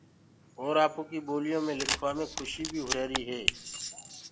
اور آپو ڪيِ ٻوليو مي لکوآ مي کُشيٚ بيِٚ هو ريهريِٚ هي۔